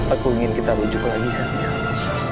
aku ingin kita berjumpa lagi saniya